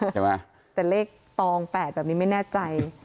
แต่เลขตองแปดแบบนี้ไม่แน่ใจ